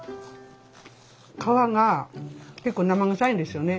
皮が結構生臭いんですよね。